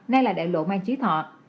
nay là đại lộ mai trí thọ